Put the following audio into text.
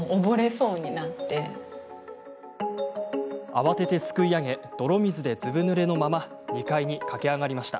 慌てて救い上げ泥水でずぶぬれのまま２階に駆け上がりました。